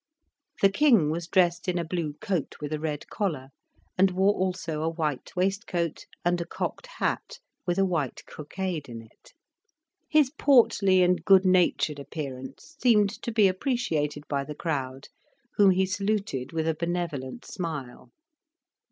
The king was dressed in a blue coat with a red collar, and wore also a white waistcoat and a cocked hat with a white cockade in it. His portly and good natured appearance seemed to be appreciated by the crowd, whom he saluted with a benevolent smile.